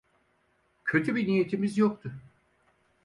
Kötü bir niyetimiz yoktu.